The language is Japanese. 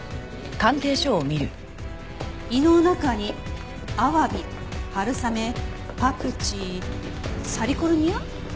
胃の中にアワビ春雨パクチーサリコルニア？